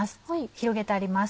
広げてあります